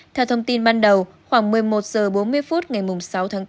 theo thông tin ban đầu khoảng một mươi một h bốn mươi phút ngày sáu tháng bốn